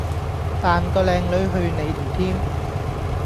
彈個靚女去你條 Team